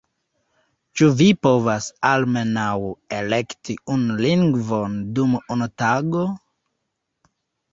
— Ĉu vi povas almenaŭ elekti unu lingvon dum unu tago?!